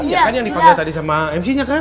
ya kan yang dipanggil tadi sama emc nya kan